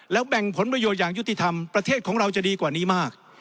แล้วแบ่งผลประโยชน์อย่างยุติธรรมประเทศของเราจะดีกว่านี้มาก